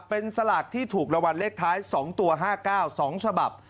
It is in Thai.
เป็นสลากที่ถูกรางวัลเลขท้าย๒ตัว๕๙๒ฉบับ